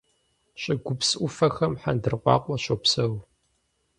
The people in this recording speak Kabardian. ЩӀыгупс Ӏуфэхэм хъэндыркъуакъуэ щопсэу.